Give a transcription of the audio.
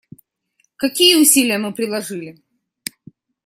Какие усилия мы приложили?